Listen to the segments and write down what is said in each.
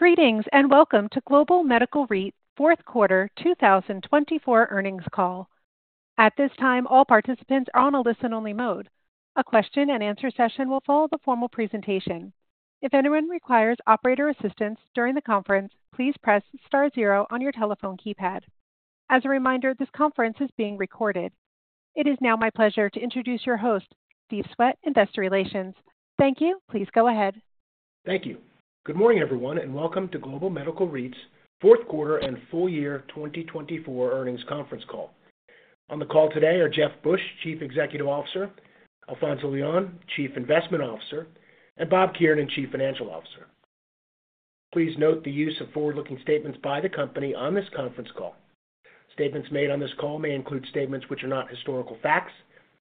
Greetings and welcome to Global Medical REIT, Fourth Quarter 2024 Earnings Call. At this time, all participants are on a listen-only mode. A question-and-answer session will follow the formal presentation. If anyone requires operator assistance during the conference, please press star zero on your telephone keypad. As a reminder, this conference is being recorded. It is now my pleasure to introduce your host, Steve Swett, Investor Relations. Thank you. Please go ahead. Thank you. Good morning, everyone, and welcome to Global Medical REIT's Fourth Quarter and full year 2024 Earnings Conference Call. On the call today are Jeff Busch, Chief Executive Officer; Alfonzo Leon, Chief Investment Officer; and Bob Kiernan, Chief Financial Officer. Please note the use of forward-looking statements by the company on this conference call. Statements made on this call may include statements which are not historical facts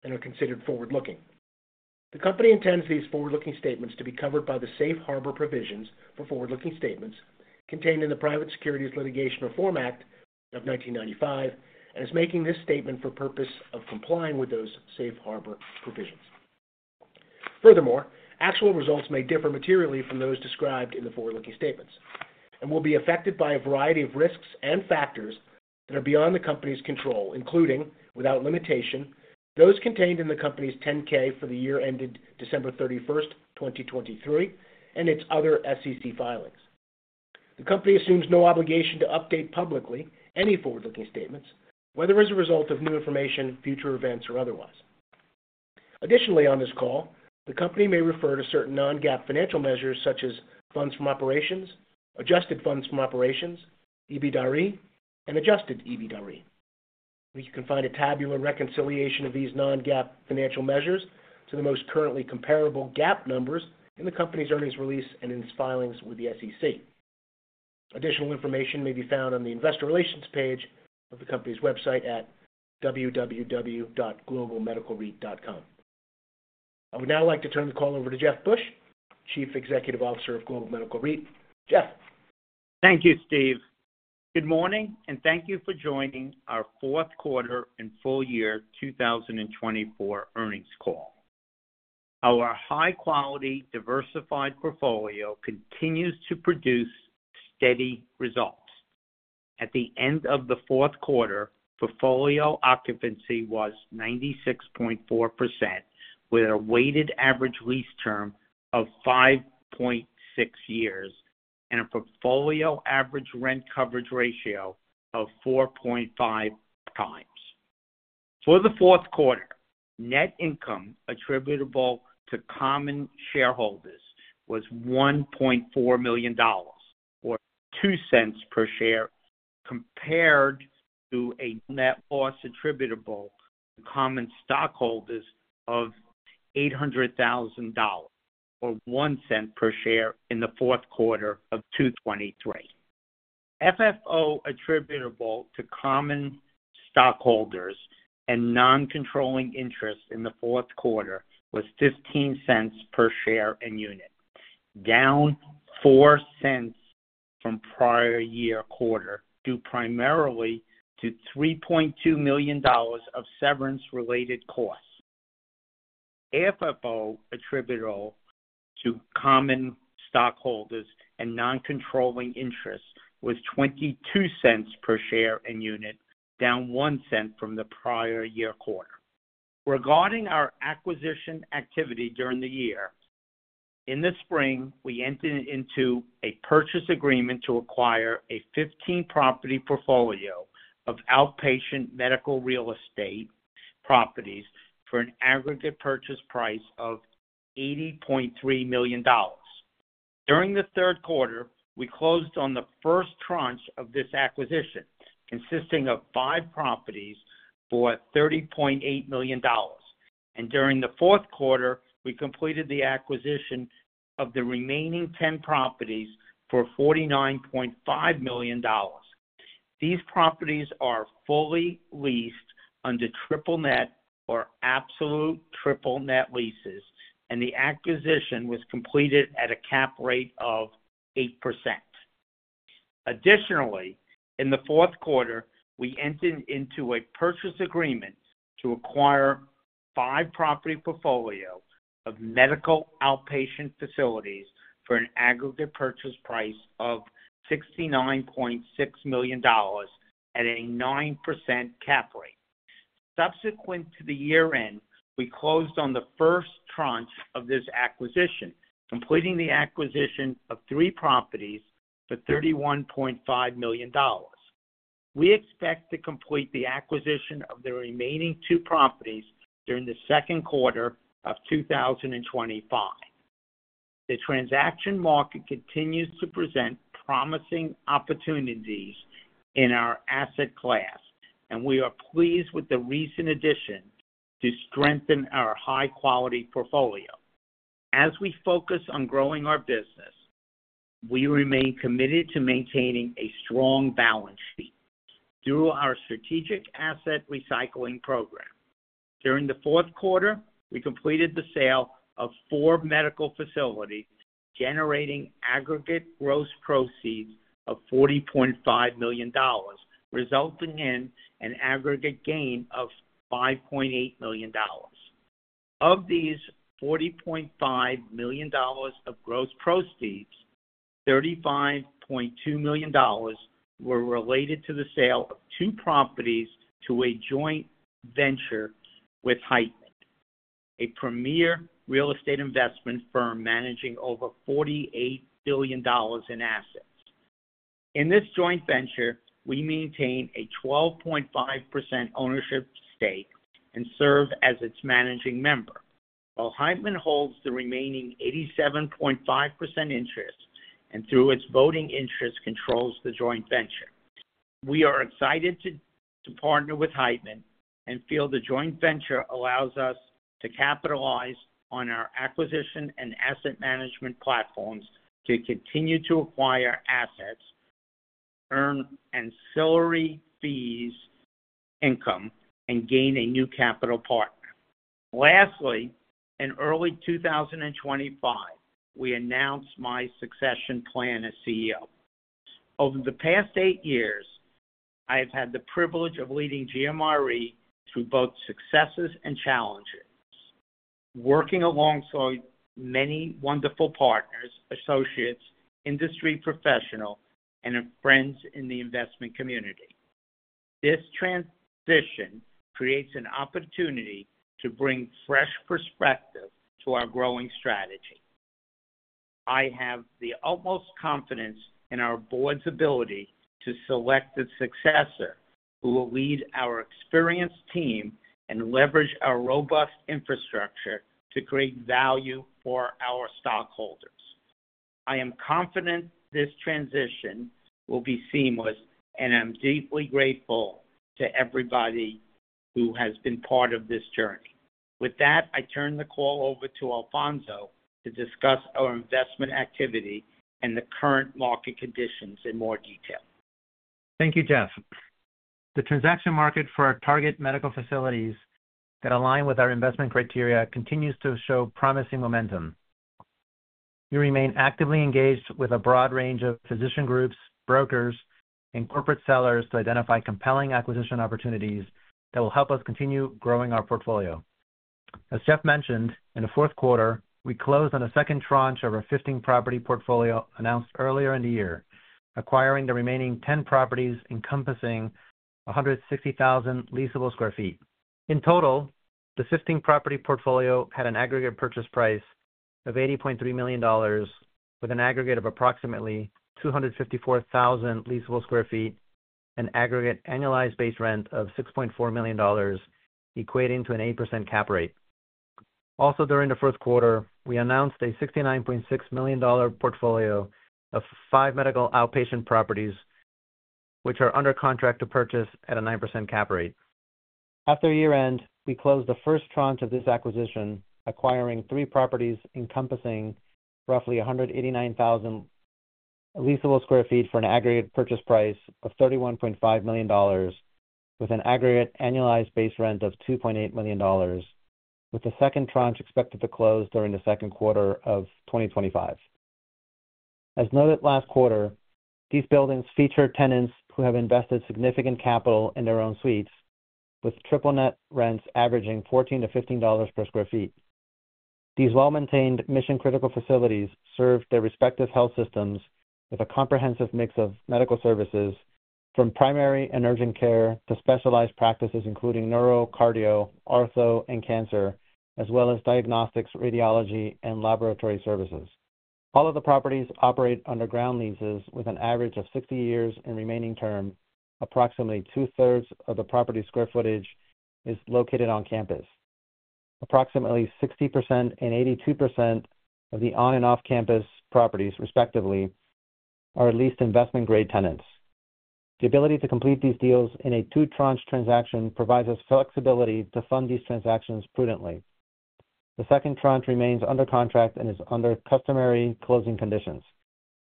and are considered forward-looking. The company intends these forward-looking statements to be covered by the safe harbor provisions for forward-looking statements contained in the Private Securities Litigation Reform Act of 1995 and is making this statement for purpose of complying with those safe harbor provisions. Furthermore, actual results may differ materially from those described in the forward-looking statements and will be affected by a variety of risks and factors that are beyond the company's control, including, without limitation, those contained in the company's 10-K for the year ended December 31, 2023, and its other SEC filings. The company assumes no obligation to update publicly any forward-looking statements, whether as a result of new information, future events, or otherwise. Additionally, on this call, the company may refer to certain non-GAAP financial measures such as funds from operations, adjusted funds from operations, EBITDA-REIT, and adjusted EBITDA-REIT. You can find a tabular reconciliation of these non-GAAP financial measures to the most currently comparable GAAP numbers in the company's earnings release and in its filings with the SEC. Additional information may be found on the Investor Relations page of the company's website at www.globalmedicalreit.com. I would now like to turn the call over to Jeff Busch, Chief Executive Officer of Global Medical REIT. Jeff. Thank you, Steve. Good morning, and thank you for joining our Fourth Quarter and Full Year 2024 earnings call. Our high-quality, diversified portfolio continues to produce steady results. At the end of the fourth quarter, portfolio occupancy was 96.4%, with a weighted average lease term of 5.6 years and a portfolio average rent coverage ratio of 4.5 times. For the fourth quarter, net income attributable to common shareholders was $1.4 million, or $0.02 per share, compared to a net loss attributable to common stockholders of $800,000, or $0.01 per share in the fourth quarter of 2023. FFO attributable to common stockholders and non-controlling interest in the fourth quarter was $0.15 per share and unit, down $0.04 from prior year quarter due primarily to $3.2 million of severance-related costs. FFO attributable to common stockholders and non-controlling interest was $0.22 per share and unit, down $0.01 from the prior year quarter. Regarding our acquisition activity during the year, in the spring, we entered into a purchase agreement to acquire a 15-property portfolio of outpatient medical real estate properties for an aggregate purchase price of $80.3 million. During the third quarter, we closed on the first tranche of this acquisition, consisting of five properties for $30.8 million. During the fourth quarter, we completed the acquisition of the remaining 10 properties for $49.5 million. These properties are fully leased under triple-net, or absolute triple-net leases, and the acquisition was completed at a cap rate of 8%. Additionally, in the fourth quarter, we entered into a purchase agreement to acquire five property portfolios of medical outpatient facilities for an aggregate purchase price of $69.6 million at a 9% cap rate. Subsequent to the year-end, we closed on the first tranche of this acquisition, completing the acquisition of three properties for $31.5 million. We expect to complete the acquisition of the remaining two properties during the second quarter of 2025. The transaction market continues to present promising opportunities in our asset class, and we are pleased with the recent addition to strengthen our high-quality portfolio. As we focus on growing our business, we remain committed to maintaining a strong balance sheet through our strategic asset recycling program. During the fourth quarter, we completed the sale of four medical facilities, generating aggregate gross proceeds of $40.5 million, resulting in an aggregate gain of $5.8 million. Of these $40.5 million of gross proceeds, $35.2 million were related to the sale of two properties to a joint venture with Hyphen, a premier real estate investment firm managing over $48 billion in assets. In this joint venture, we maintain a 12.5% ownership stake and serve as its managing member, while Hyphen holds the remaining 87.5% interest and, through its voting interest, controls the joint venture. We are excited to partner with Hyphen and feel the joint venture allows us to capitalize on our acquisition and asset management platforms to continue to acquire assets, earn ancillary fees income, and gain a new capital partner. Lastly, in early 2025, we announced my succession plan as CEO. Over the past eight years, I have had the privilege of leading GMRE through both successes and challenges, working alongside many wonderful partners, associates, industry professionals, and friends in the investment community. This transition creates an opportunity to bring fresh perspective to our growing strategy. I have the utmost confidence in our board's ability to select a successor who will lead our experienced team and leverage our robust infrastructure to create value for our stockholders. I am confident this transition will be seamless, and I'm deeply grateful to everybody who has been part of this journey. With that, I turn the call over to Alfonzo to discuss our investment activity and the current market conditions in more detail. Thank you, Jeff. The transaction market for our target medical facilities that align with our investment criteria continues to show promising momentum. We remain actively engaged with a broad range of physician groups, brokers, and corporate sellers to identify compelling acquisition opportunities that will help us continue growing our portfolio. As Jeff mentioned, in the fourth quarter, we closed on a second tranche of our 15-property portfolio announced earlier in the year, acquiring the remaining 10 properties encompassing 160,000 leasable sq ft. In total, the 15-property portfolio had an aggregate purchase price of $80.3 million, with an aggregate of approximately 254,000 leasable sq ft and aggregate annualized base rent of $6.4 million, equating to an 8% cap rate. Also, during the fourth quarter, we announced a $69.6 million portfolio of five medical outpatient properties, which are under contract to purchase at a 9% cap rate. After year-end, we closed the first tranche of this acquisition, acquiring three properties encompassing roughly 189,000 leasable sq ft for an aggregate purchase price of $31.5 million, with an aggregate annualized base rent of $2.8 million, with the second tranche expected to close during the second quarter of 2025. As noted last quarter, these buildings feature tenants who have invested significant capital in their own suites, with triple-net rents averaging $14-$15 per sq ft. These well-maintained mission-critical facilities serve their respective health systems with a comprehensive mix of medical services, from primary and urgent care to specialized practices, including neuro, cardio, artho, and cancer, as well as diagnostics, radiology, and laboratory services. All of the properties operate under ground leases, with an average of 60 years in remaining term. Approximately two-thirds of the property's square footage is located on campus. Approximately 60% and 82% of the on- and off-campus properties, respectively, are at least investment-grade tenants. The ability to complete these deals in a two-tranche transaction provides us flexibility to fund these transactions prudently. The second tranche remains under contract and is under customary closing conditions.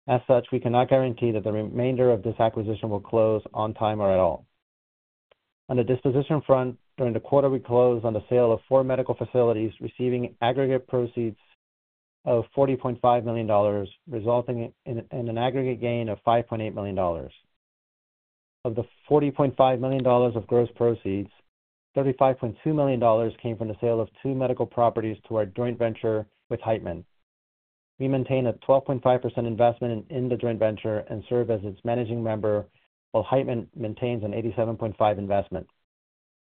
As such, we cannot guarantee that the remainder of this acquisition will close on time or at all. On the disposition front, during the quarter, we closed on the sale of four medical facilities receiving aggregate proceeds of $40.5 million, resulting in an aggregate gain of $5.8 million. Of the $40.5 million of gross proceeds, $35.2 million came from the sale of two medical properties to our joint venture with Hyphen. We maintain a 12.5% investment in the joint venture and serve as its managing member, while Hyphen maintains an 87.5% investment.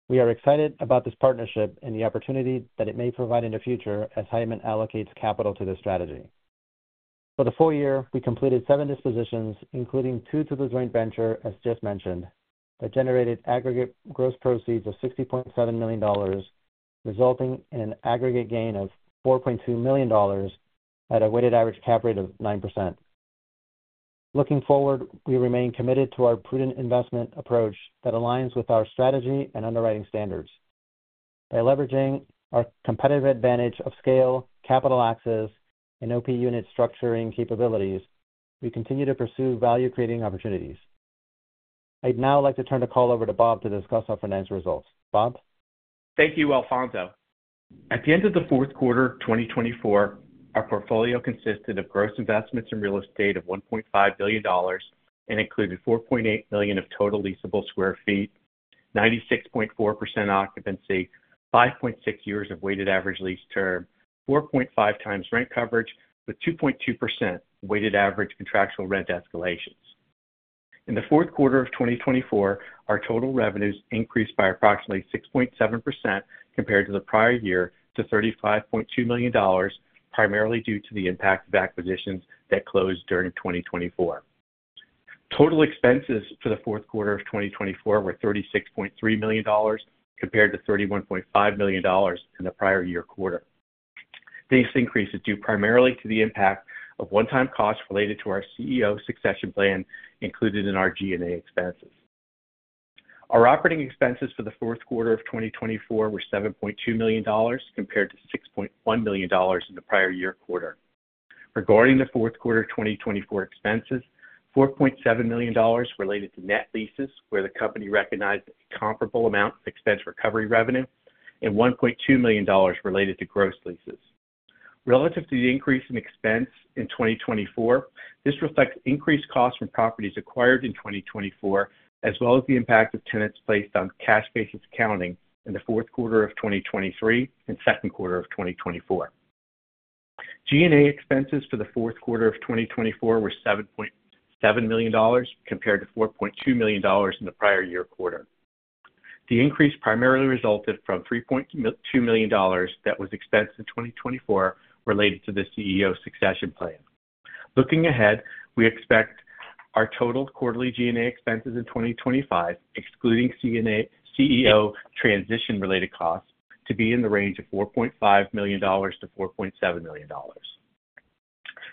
We are excited about this partnership and the opportunity that it may provide in the future as Hyphen allocates capital to this strategy. For the full year, we completed seven dispositions, including two to the joint venture, as Jeff mentioned, that generated aggregate gross proceeds of $60.7 million, resulting in an aggregate gain of $4.2 million at a weighted average cap rate of 9%. Looking forward, we remain committed to our prudent investment approach that aligns with our strategy and underwriting standards. By leveraging our competitive advantage of scale, capital access, and OP unit structuring capabilities, we continue to pursue value-creating opportunities. I'd now like to turn the call over to Bob to discuss our financial results. Bob? Thank you, Alfonzo. At the end of the fourth quarter of 2024, our portfolio consisted of gross investments in real estate of $1.5 billion and included 4.8 million of total leasable sq ft, 96.4% occupancy, 5.6 years of weighted average lease term, 4.5 times rent coverage with 2.2% weighted average contractual rent escalations. In the fourth quarter of 2024, our total revenues increased by approximately 6.7% compared to the prior year to $35.2 million, primarily due to the impact of acquisitions that closed during 2024. Total expenses for the fourth quarter of 2024 were $36.3 million compared to $31.5 million in the prior year quarter. These increases due primarily to the impact of one-time costs related to our CEO succession plan included in our G&A expenses. Our operating expenses for the fourth quarter of 2024 were $7.2 million compared to $6.1 million in the prior year quarter. Regarding the fourth quarter of 2024 expenses, $4.7 million related to net leases, where the company recognized a comparable amount of expense recovery revenue, and $1.2 million related to gross leases. Relative to the increase in expense in 2024, this reflects increased costs from properties acquired in 2024, as well as the impact of tenants placed on cash-based accounting in the fourth quarter of 2023 and second quarter of 2024. G&A expenses for the fourth quarter of 2024 were $7.7 million compared to $4.2 million in the prior year quarter. The increase primarily resulted from $3.2 million that was expensed in 2024 related to the CEO succession plan. Looking ahead, we expect our total quarterly G&A expenses in 2025, excluding CEO transition-related costs, to be in the range of $4.5 million-$4.7 million.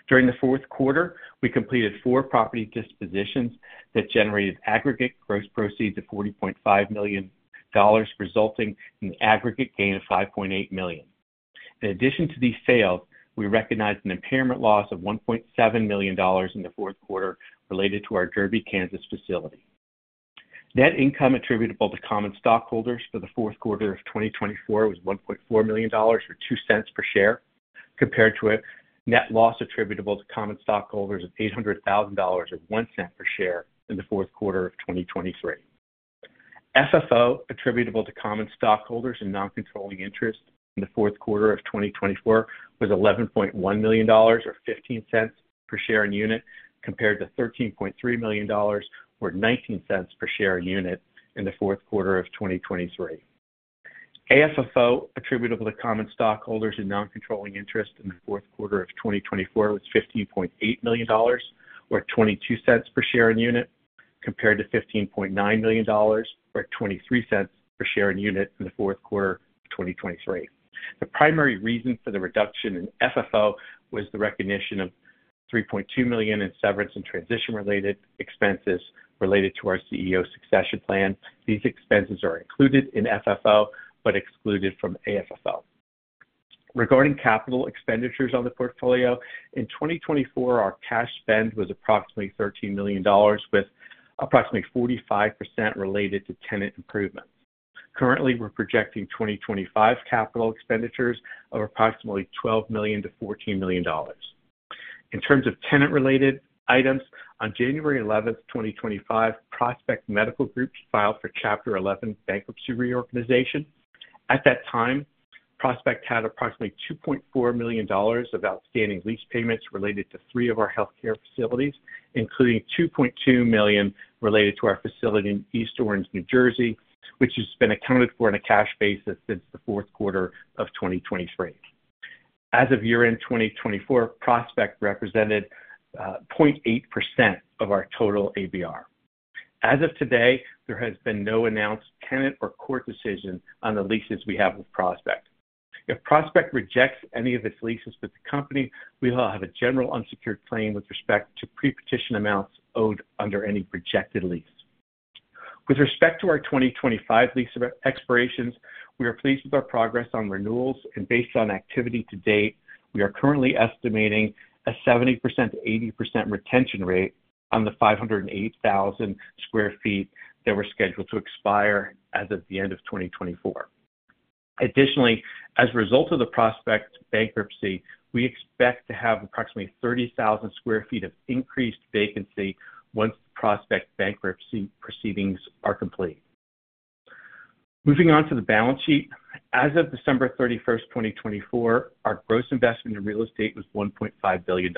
During the fourth quarter, we completed four property dispositions that generated aggregate gross proceeds of $40.5 million, resulting in an aggregate gain of $5.8 million. In addition to these sales, we recognized an impairment loss of $1.7 million in the fourth quarter related to our Derby, Kansas facility. Net income attributable to common stockholders for the fourth quarter of 2024 was $1.4 million or $0.02 per share, compared to a net loss attributable to common stockholders of $800,000 or $0.01 per share in the fourth quarter of 2023. FFO attributable to common stockholders and non-controlling interest in the fourth quarter of 2024 was $11.1 million or $0.15 per share and unit, compared to $13.3 million or $0.19 per share and unit in the fourth quarter of 2023. AFFO attributable to common stockholders and non-controlling interest in the fourth quarter of 2024 was $15.8 million or $0.22 per share and unit, compared to $15.9 million or $0.23 per share and unit in the fourth quarter of 2023. The primary reason for the reduction in FFO was the recognition of $3.2 million in severance and transition-related expenses related to our CEO succession plan. These expenses are included in FFO but excluded from AFFO. Regarding capital expenditures on the portfolio, in 2024, our cash spend was approximately $13 million, with approximately 45% related to tenant improvements. Currently, we're projecting 2025 capital expenditures of approximately $12 million-$14 million. In terms of tenant-related items, on January 11, 2025, Prospect Medical Group filed for Chapter 11 bankruptcy reorganization. At that time, Prospect had approximately $2.4 million of outstanding lease payments related to three of our healthcare facilities, including $2.2 million related to our facility in East Orange, New Jersey, which has been accounted for on a cash basis since the fourth quarter of 2023. As of year-end 2024, Prospect represented 0.8% of our total ABR. As of today, there has been no announced tenant or court decision on the leases we have with Prospect. If Prospect rejects any of its leases with the company, we will have a general unsecured claim with respect to pre-petition amounts owed under any rejected lease. With respect to our 2025 lease expirations, we are pleased with our progress on renewals, and based on activity to date, we are currently estimating a 70%-80% retention rate on the 508,000 sq ft that were scheduled to expire as of the end of 2024. Additionally, as a result of the Prospect bankruptcy, we expect to have approximately 30,000 sq ft of increased vacancy once the Prospect bankruptcy proceedings are complete. Moving on to the balance sheet, as of December 31, 2024, our gross investment in real estate was $1.5 billion.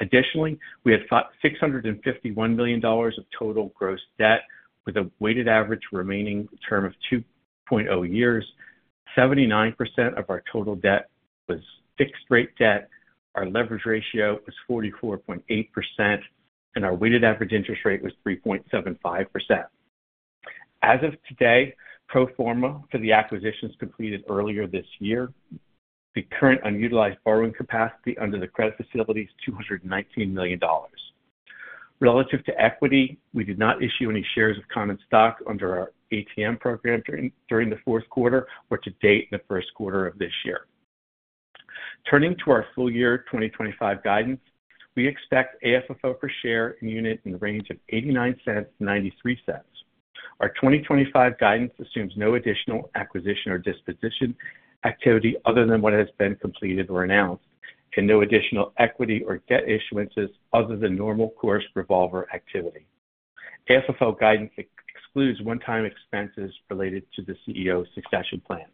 Additionally, we had $651 million of total gross debt, with a weighted average remaining term of 2.0 years. 79% of our total debt was fixed-rate debt. Our leverage ratio was 44.8%, and our weighted average interest rate was 3.75%. As of today, pro forma for the acquisitions completed earlier this year, the current unutilized borrowing capacity under the credit facility is $219 million. Relative to equity, we did not issue any shares of common stock under our ATM program during the fourth quarter or to date in the first quarter of this year. Turning to our full year 2025 guidance, we expect AFFO per share and unit in the range of $0.89-$0.93. Our 2025 guidance assumes no additional acquisition or disposition activity other than what has been completed or announced, and no additional equity or debt issuances other than normal course revolver activity. AFFO guidance excludes one-time expenses related to the CEO succession plan.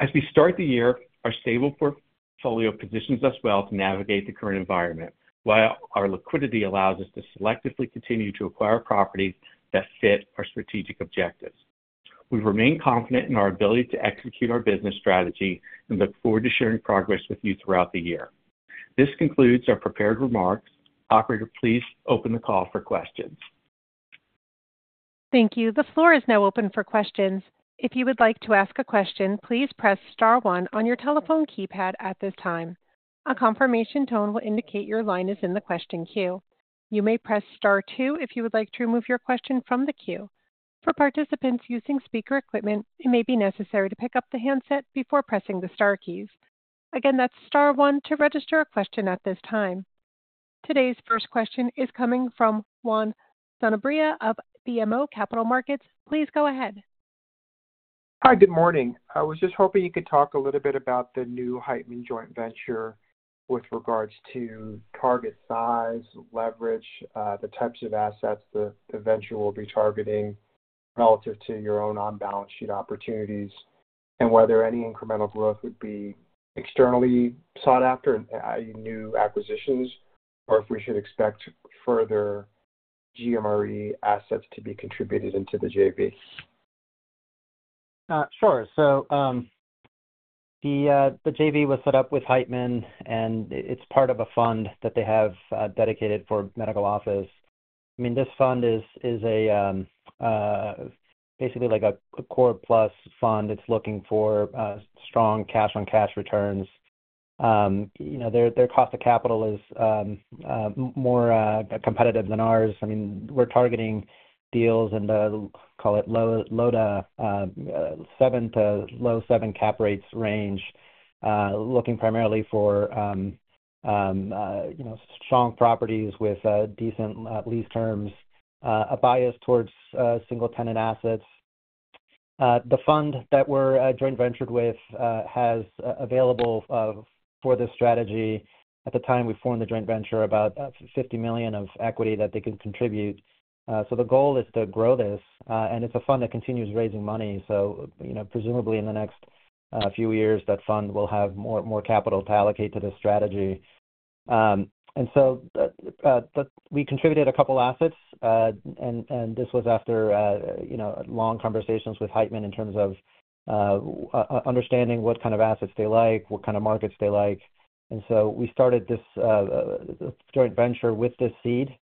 As we start the year, our stable portfolio positions us well to navigate the current environment, while our liquidity allows us to selectively continue to acquire properties that fit our strategic objectives. We remain confident in our ability to execute our business strategy and look forward to sharing progress with you throughout the year. This concludes our prepared remarks. Operator, please open the call for questions. Thank you. The floor is now open for questions. If you would like to ask a question, please press Star one on your telephone keypad at this time. A confirmation tone will indicate your line is in the question queue. You may press Star two if you would like to remove your question from the queue. For participants using speaker equipment, it may be necessary to pick up the handset before pressing the Star keys. Again, that's Star 1 to register a question at this time. Today's first question is coming from Juan Sanabria of BMO Capital Markets. Please go ahead. Hi, good morning. I was just hoping you could talk a little bit about the new Hyphen joint venture with regards to target size, leverage, the types of assets the venture will be targeting relative to your own on-balance sheet opportunities, and whether any incremental growth would be externally sought after in new acquisitions, or if we should expect further GMRE assets to be contributed into the JV. Sure. The JV was set up with Hyphen, and it's part of a fund that they have dedicated for medical office. I mean, this fund is basically like a core plus fund. It's looking for strong cash-on-cash returns. Their cost of capital is more competitive than ours. I mean, we're targeting deals in the, call it, low to seven to low seven cap rates range, looking primarily for strong properties with decent lease terms, a bias towards single-tenant assets. The fund that we're joint-ventured with has available for this strategy. At the time we formed the joint venture, about $50 million of equity that they could contribute. The goal is to grow this, and it's a fund that continues raising money. Presumably in the next few years, that fund will have more capital to allocate to this strategy. We contributed a couple of assets, and this was after long conversations with Hyphen in terms of understanding what kind of assets they like, what kind of markets they like. We started this joint venture with this seed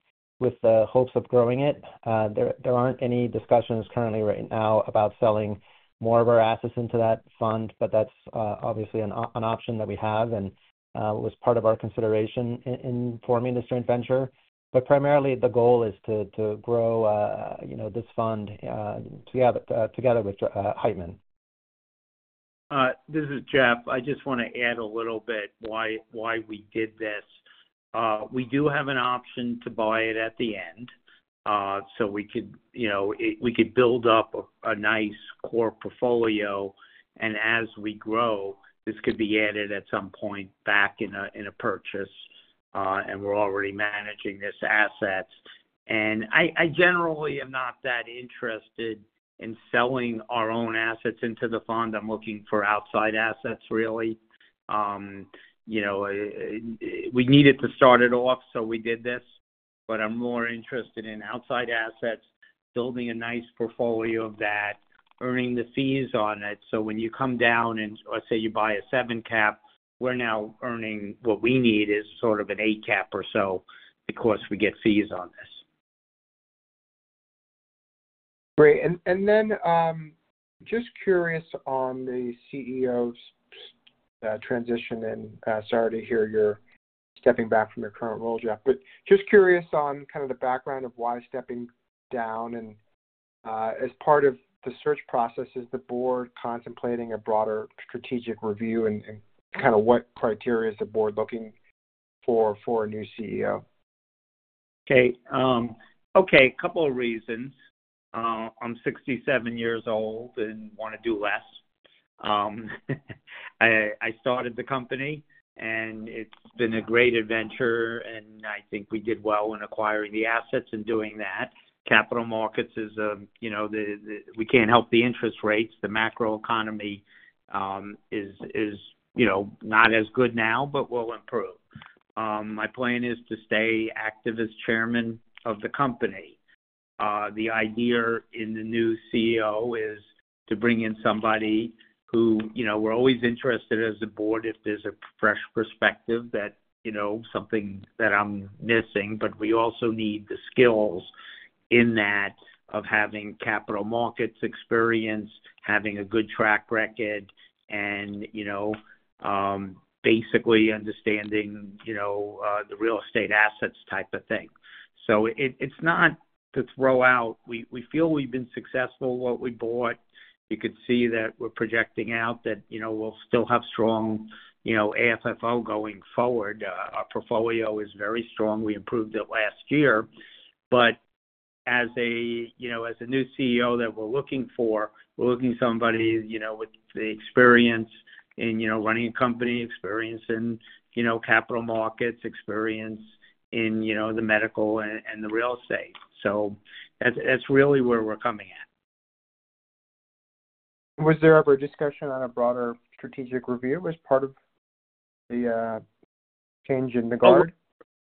with the hopes of growing it. There aren't any discussions currently right now about selling more of our assets into that fund, but that's obviously an option that we have and was part of our consideration in forming this joint venture. Primarily, the goal is to grow this fund together with Hyphen. This is Jeff. I just want to add a little bit why we did this. We do have an option to buy it at the end so we could build up a nice core portfolio. As we grow, this could be added at some point back in a purchase, and we're already managing this asset. I generally am not that interested in selling our own assets into the fund. I'm looking for outside assets, really. We needed to start it off, so we did this, but I'm more interested in outside assets, building a nice portfolio of that, earning the fees on it. When you come down and, let's say, you buy a seven cap, we're now earning what we need is sort of an eight cap or so because we get fees on this. Great. Just curious on the CEO's transition, and sorry to hear you're stepping back from your current role, Jeff, but just curious on kind of the background of why stepping down. As part of the search process, is the board contemplating a broader strategic review and kind of what criteria is the board looking for in a new CEO? Okay. Okay. A couple of reasons. I'm 67 years old and want to do less. I started the company, and it's been a great adventure, and I think we did well in acquiring the assets and doing that. Capital markets is we can't help the interest rates. The macro economy is not as good now, but we'll improve. My plan is to stay active as Chairman of the company. The idea in the new CEO is to bring in somebody who we're always interested as a board if there's a fresh perspective, that something that I'm missing. We also need the skills in that of having capital markets experience, having a good track record, and basically understanding the real estate assets type of thing. It's not to throw out. We feel we've been successful in what we bought. You could see that we're projecting out that we'll still have strong AFFO going forward. Our portfolio is very strong. We improved it last year. As a new CEO that we're looking for, we're looking for somebody with the experience in running a company, experience in capital markets, experience in the medical and the real estate. That is really where we're coming at. Was there ever a discussion on a broader strategic review as part of the change in the guard?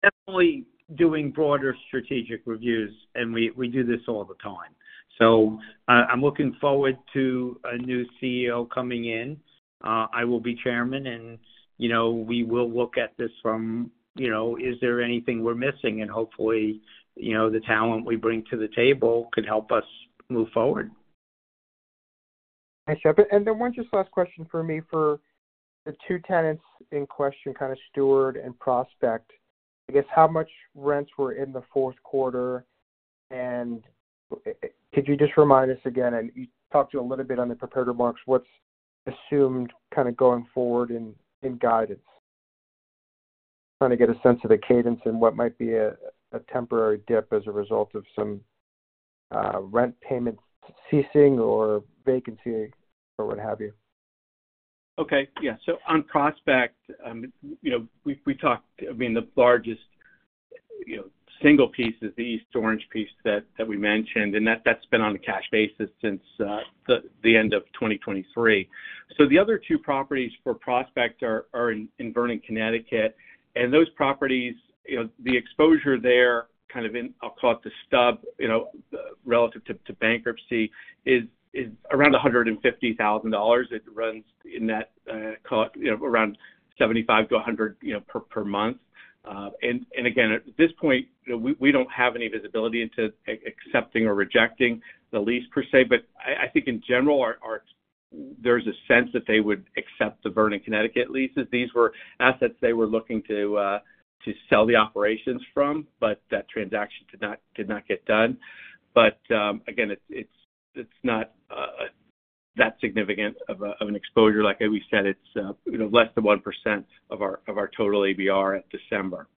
Definitely doing broader strategic reviews, and we do this all the time. I am looking forward to a new CEO coming in. I will be Chairman, and we will look at this from is there anything we are missing, and hopefully, the talent we bring to the table could help us move forward. Thanks, Jeff. One just last question for me. For the two tenants in question, kind of Steward and Prospect, I guess how much rents were in the fourth quarter? Could you just remind us again? You talked a little bit on the prepared remarks. What's assumed kind of going forward in guidance? Trying to get a sense of the cadence and what might be a temporary dip as a result of some rent payment ceasing or vacancy or what have you. Okay. Yeah. On Prospect, we talked, I mean, the largest single piece is the East Orange piece that we mentioned, and that's been on a cash basis since the end of 2023. The other two properties for Prospect are in Vernon, Connecticut. Those properties, the exposure there, kind of I'll call it the stub relative to bankruptcy, is around $150,000. It runs in that, call it, around $75,000-$100,000 per month. Again, at this point, we don't have any visibility into accepting or rejecting the lease per se, but I think in general, there's a sense that they would accept the Vernon, Connecticut leases. These were assets they were looking to sell the operations from, but that transaction did not get done. Again, it's not that significant of an exposure. Like we said, it's less than 1% of our total ABR at December.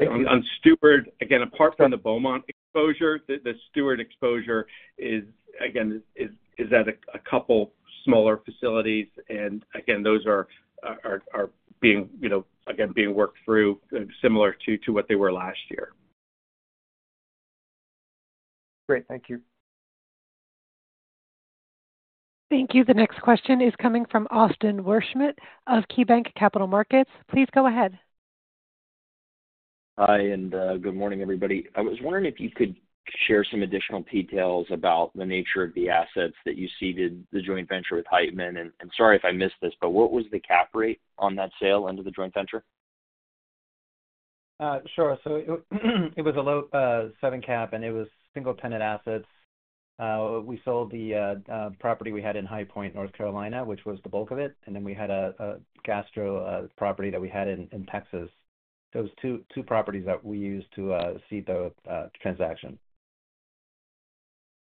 On Steward, again, apart from the Beaumont exposure, the Steward exposure is, again, is at a couple of smaller facilities. Again, those are being worked through similar to what they were last year. Great. Thank you. Thank you. The next question is coming from Austin Wurschmid of KeyBank Capital Markets. Please go ahead. Hi, and good morning, everybody. I was wondering if you could share some additional details about the nature of the assets that you seeded the joint venture with Hyphen. Sorry if I missed this, but what was the cap rate on that sale into the joint venture? Sure. It was a low seven cap, and it was single-tenant assets. We sold the property we had in High Point, North Carolina, which was the bulk of it. We had a gastro property that we had in Texas. Those two properties that we used to seed the transaction.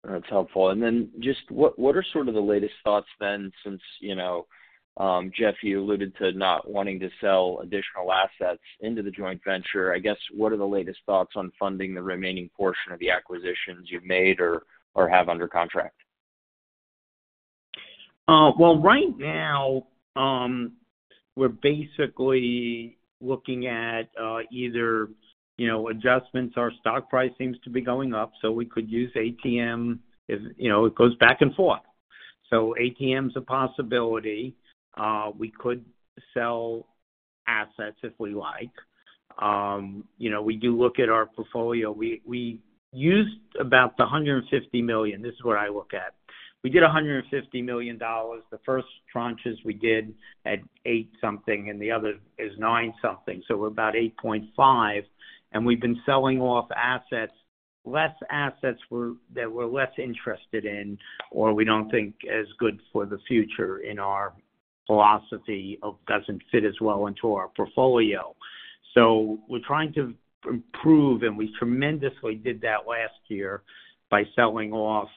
That's helpful. Just what are sort of the latest thoughts then since Jeff, you alluded to not wanting to sell additional assets into the joint venture? I guess what are the latest thoughts on funding the remaining portion of the acquisitions you've made or have under contract? Right now, we're basically looking at either adjustments. Our stock price seems to be going up, so we could use ATM. It goes back and forth. ATM is a possibility. We could sell assets if we like. We do look at our portfolio. We used about the $150 million. This is what I look at. We did $150 million. The first tranches we did at eight something, and the other is nine something. So we're about 8.5. We've been selling off assets, less assets that we're less interested in, or we don't think as good for the future in our philosophy of doesn't fit as well into our portfolio. We're trying to improve, and we tremendously did that last year by selling off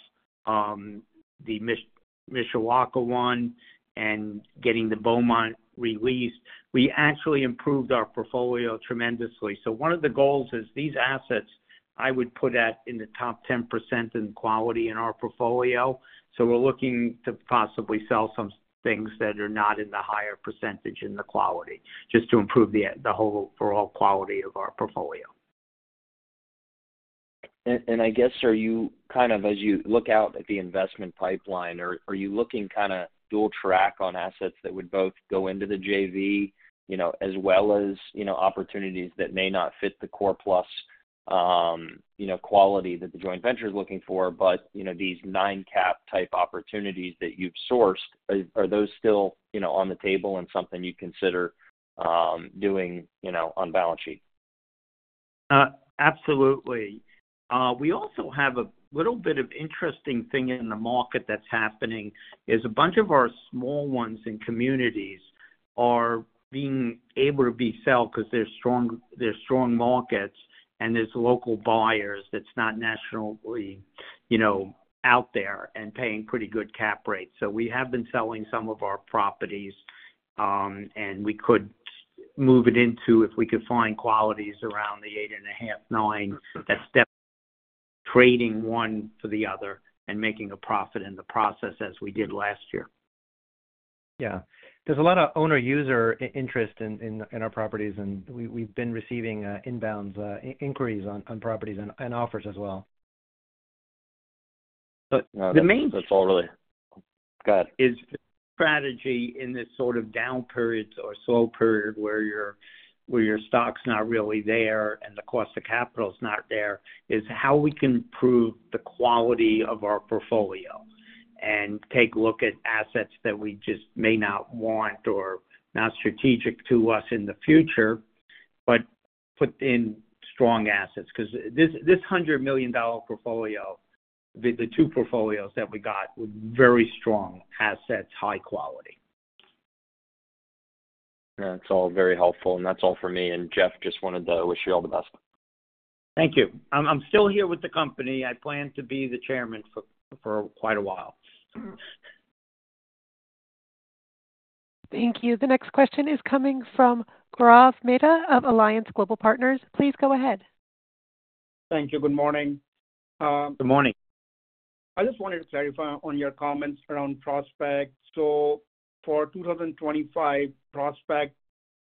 the Mishawaka one and getting the Beaumont released. We actually improved our portfolio tremendously. One of the goals is these assets, I would put that in the top 10% in quality in our portfolio. We are looking to possibly sell some things that are not in the higher percentage in the quality just to improve the overall quality of our portfolio. I guess, kind of as you look out at the investment pipeline, are you looking kind of dual track on assets that would both go into the JV as well as opportunities that may not fit the core plus quality that the joint venture is looking for? These nine cap type opportunities that you've sourced, are those still on the table and something you consider doing on balance sheet? Absolutely. We also have a little bit of interesting thing in the market that's happening is a bunch of our small ones in communities are being able to be sold because they're strong markets, and there's local buyers that's not nationally out there and paying pretty good cap rates. We have been selling some of our properties, and we could move it into if we could find qualities around the eight and a half, nine. That's trading one for the other and making a profit in the process as we did last year. Yeah. There's a lot of owner-user interest in our properties, and we've been receiving inbound inquiries on properties and offers as well. The main— Go ahead. Is strategy in this sort of down period or slow period where your stock's not really there and the cost of capital's not there is how we can improve the quality of our portfolio and take a look at assets that we just may not want or not strategic to us in the future, but put in strong assets. Because this $100 million portfolio, the two portfolios that we got were very strong assets, high quality. That's all very helpful, and that's all for me. Jeff, just wanted to wish you all the best. Thank you. I'm still here with the company. I plan to be the chairman for quite a while. Thank you. The next question is coming from Gaurav Mehta of Alliance Global Partners. Please go ahead. Thank you. Good morning. Good morning. I just wanted to clarify on your comments around Prospect. For 2025, Prospect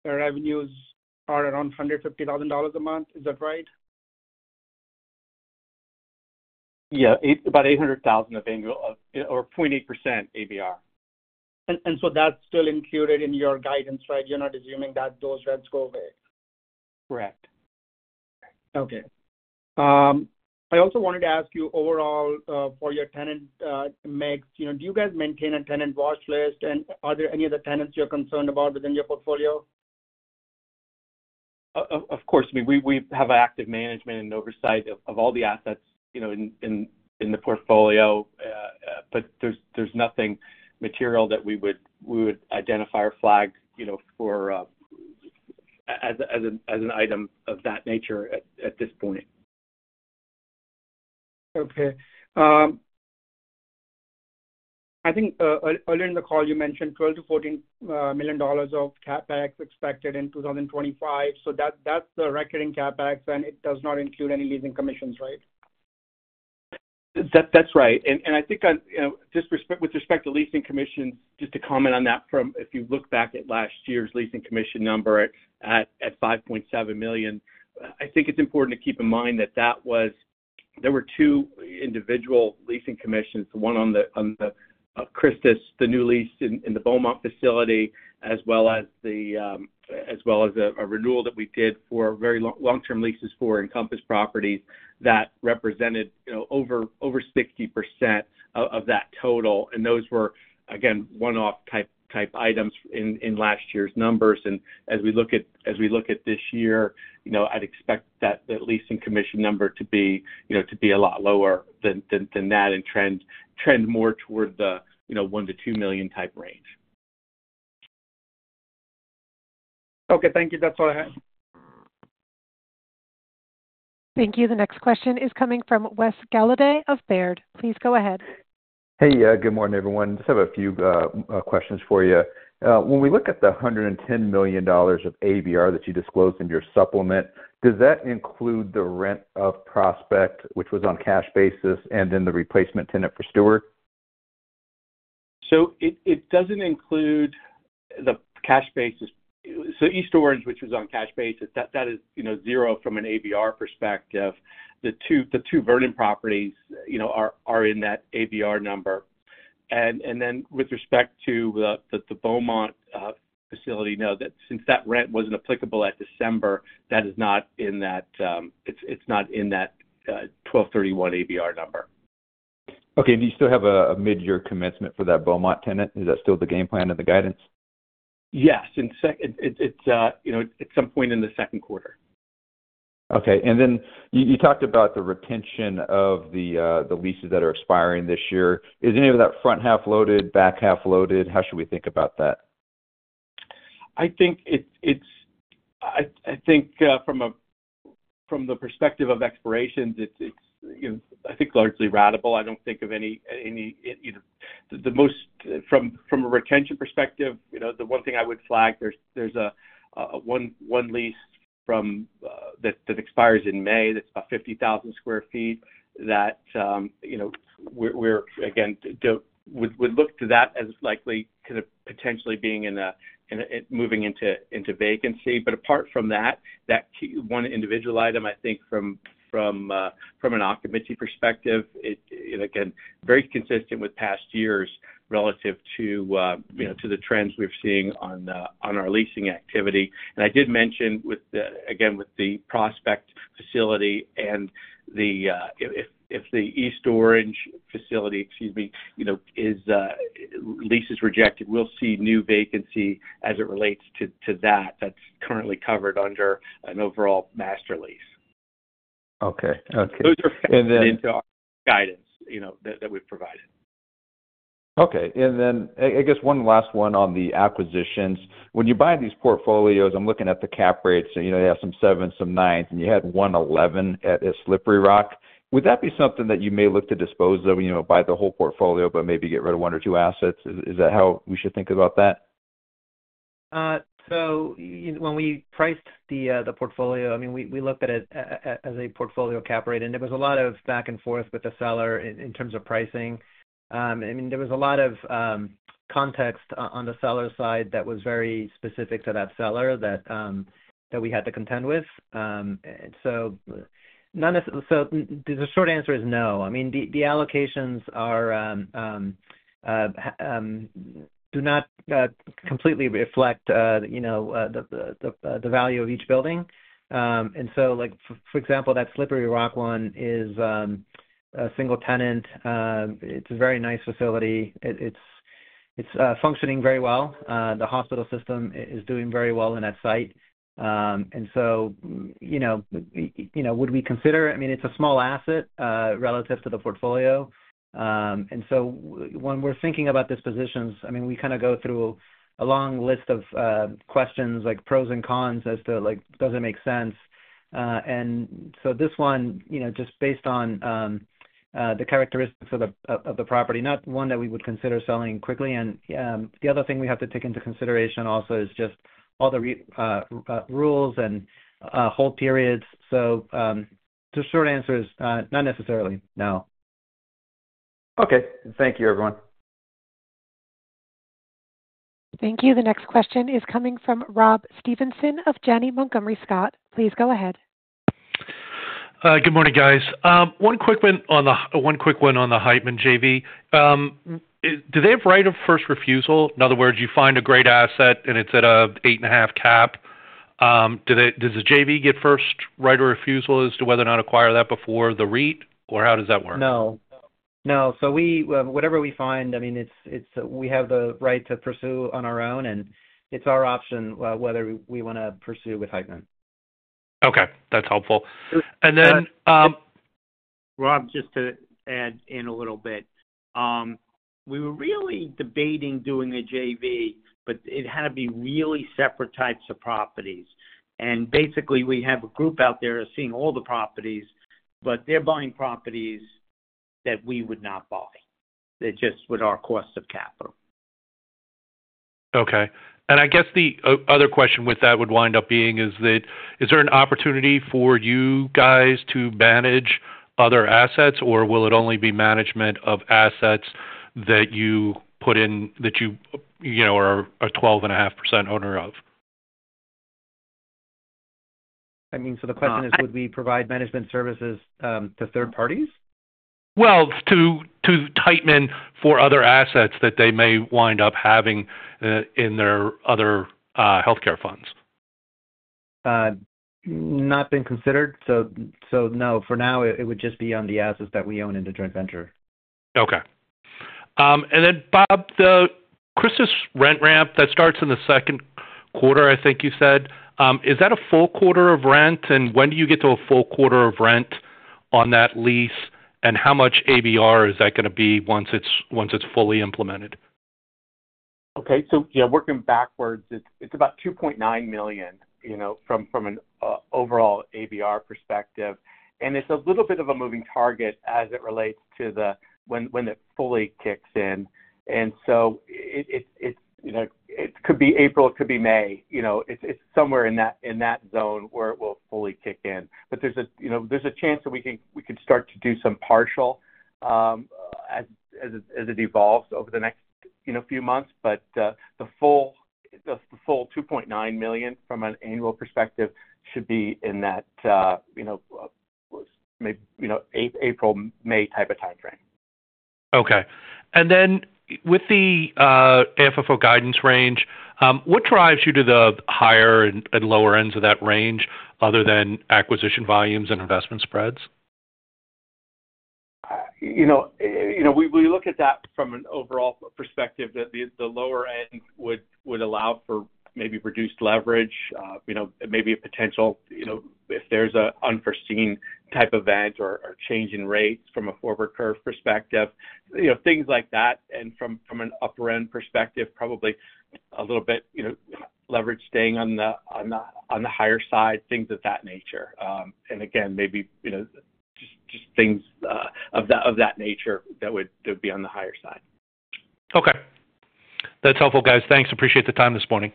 revenues are around $150,000 a month. Is that right? Yeah. About $800,000 of annual or 0.8% ABR. That is still included in your guidance, right? You're not assuming that those rents go away? Correct. Okay. I also wanted to ask you overall for your tenant mix, do you guys maintain a tenant watchlist? Are there any other tenants you're concerned about within your portfolio? Of course. I mean, we have active management and oversight of all the assets in the portfolio, but there's nothing material that we would identify or flag for as an item of that nature at this point. Okay. I think earlier in the call, you mentioned $12 million-$14 million of CapEx expected in 2025. That is the recurring CapEx, and it does not include any leasing commissions, right? That's right. I think with respect to leasing commissions, just to comment on that, if you look back at last year's leasing commission number at $5.7 million, I think it's important to keep in mind that there were two individual leasing commissions, one on the Christus, the new lease in the Beaumont facility, as well as a renewal that we did for very long-term leases for Encompass Properties that represented over 60% of that total. Those were, again, one-off type items in last year's numbers. As we look at this year, I'd expect that leasing commission number to be a lot lower than that and trend more toward the $1-$2 million type range. Okay. Thank you. That's all I had. Thank you. The next question is coming from Wes Golladay of Baird. Please go ahead. Hey, good morning, everyone. Just have a few questions for you. When we look at the $110 million of ABR that you disclosed in your supplement, does that include the rent of Prospect, which was on cash basis, and then the replacement tenant for Steward? It does not include the cash basis. East Orange, which was on cash basis, that is zero from an ABR perspective. The two Vernon properties are in that ABR number. With respect to the Beaumont facility, since that rent was not applicable at December, that is not in that, it is not in that 12/31 ABR number. Okay. Do you still have a mid-year commencement for that Beaumont tenant? Is that still the game plan and the guidance? Yes. At some point in the second quarter. Okay. You talked about the retention of the leases that are expiring this year. Is any of that front half loaded, back half loaded? How should we think about that? I think from the perspective of expirations, it's, I think, largely ratable. I don't think of any from a retention perspective. The one thing I would flag, there's one lease that expires in May that's about 50,000 sq ft that we're, again, would look to that as likely to potentially being in moving into vacancy. Apart from that, that one individual item, I think from an occupancy perspective, again, very consistent with past years relative to the trends we're seeing on our leasing activity. I did mention, again, with the Prospect facility, and if the East Orange facility, excuse me, lease is rejected, we'll see new vacancy as it relates to that. That's currently covered under an overall master lease. Okay. Those are into our guidance that we've provided. Okay. I guess one last one on the acquisitions. When you buy these portfolios, I'm looking at the cap rates. They have some sevens, some nines, and you had one 11 at Slippery Rock. Would that be something that you may look to dispose of, buy the whole portfolio, but maybe get rid of one or two assets? Is that how we should think about that? When we priced the portfolio, I mean, we looked at it as a portfolio cap rate, and there was a lot of back and forth with the seller in terms of pricing. I mean, there was a lot of context on the seller's side that was very specific to that seller that we had to contend with. The short answer is no. I mean, the allocations do not completely reflect the value of each building. For example, that Slippery Rock one is a single tenant. It's a very nice facility. It's functioning very well. The hospital system is doing very well in that site. Would we consider it? I mean, it's a small asset relative to the portfolio. When we're thinking about these positions, I mean, we kind of go through a long list of questions like pros and cons as to does it make sense? This one, just based on the characteristics of the property, not one that we would consider selling quickly. The other thing we have to take into consideration also is just all the rules and hold periods. The short answer is not necessarily. No. Okay. Thank you, everyone. Thank you. The next question is coming from Rob Stevenson of Janney Montgomery Scott. Please go ahead. Good morning, guys. One quick one on the Hyphen JV. Do they have right of first refusal? In other words, you find a great asset and it's at an eight and a half cap. Does the JV get first right of refusal as to whether or not to acquire that before the REIT, or how does that work? No. No. Whatever we find, I mean, we have the right to pursue on our own, and it's our option whether we want to pursue with Hyphen. Okay. That's helpful. Then. Rob, just to add in a little bit, we were really debating doing a JV, but it had to be really separate types of properties. Basically, we have a group out there seeing all the properties, but they're buying properties that we would not buy. They're just with our cost of capital. Okay. I guess the other question with that would wind up being is that is there an opportunity for you guys to manage other assets, or will it only be management of assets that you put in that you are a 12.5% owner of? I mean, so the question is, would we provide management services to third parties? To Heitman for other assets that they may wind up having in their other healthcare funds. Not been considered. No, for now, it would just be on the assets that we own in the joint venture. Okay. And then, Bob, the Christus rent ramp that starts in the second quarter, I think you said, is that a full quarter of rent? When do you get to a full quarter of rent on that lease, and how much ABR is that going to be once it's fully implemented? Okay. Yeah, working backwards, it's about $2.9 million from an overall ABR perspective. It's a little bit of a moving target as it relates to when it fully kicks in. It could be April, it could be May. It's somewhere in that zone where it will fully kick in. There's a chance that we could start to do some partial as it evolves over the next few months. The full $2.9 million from an annual perspective should be in that April-May type of timeframe. Okay. With the FFO guidance range, what drives you to the higher and lower ends of that range other than acquisition volumes and investment spreads? We look at that from an overall perspective that the lower end would allow for maybe reduced leverage, maybe a potential if there's an unforeseen type event or change in rates from a forward curve perspective, things like that. From an upper end perspective, probably a little bit leverage staying on the higher side, things of that nature. Again, maybe just things of that nature that would be on the higher side. Okay. That's helpful, guys. Thanks. Appreciate the time this morning.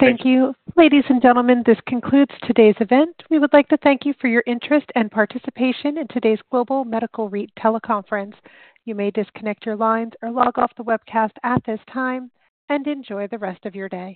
Thank you. Ladies and gentlemen, this concludes today's event. We would like to thank you for your interest and participation in today's Global Medical REIT teleconference. You may disconnect your lines or log off the webcast at this time and enjoy the rest of your day.